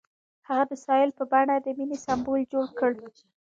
هغه د ساحل په بڼه د مینې سمبول جوړ کړ.